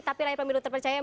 tapi lai pemilu terpercaya